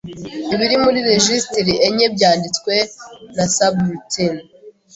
Ibiri muri rejisitiri enye byabitswe na subroutine.